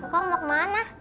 kok mau kemana